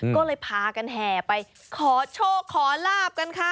ก็เลยพากันแห่ไปขอโชคขอลาบกันค่ะ